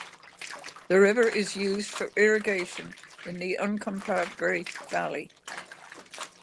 The river is used for irrigation in the Uncompahgre Valley.